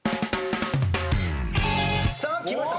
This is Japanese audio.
さあきました。